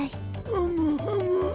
ふむふむ。